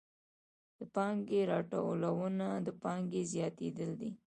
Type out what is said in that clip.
د پانګې راټولونه د پانګې زیاتېدل دي